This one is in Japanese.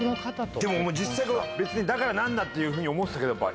でも実際、別に、だからなんだっていうふうに思ってたけど、やっぱり。